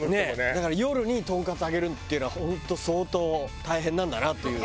だから夜にトンカツ揚げるっていうのは本当相当大変なんだなっていう。